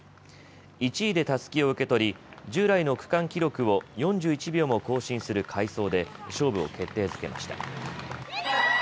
１位でたすきを受け取り従来の区間記録を４１秒も更新する快走で勝負を決定づけました。